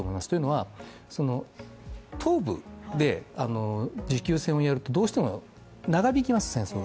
というのは、東部で持久戦をやるとどうしても戦争が長引きます。